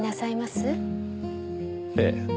ええ。